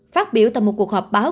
phát biểu tại một cuộc họp báo